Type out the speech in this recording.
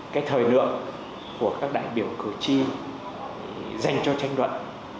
cái thời lượng của các đại biểu cử tri dành cho tranh luận